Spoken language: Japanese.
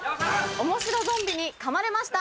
・「おもしろゾンビに噛まれました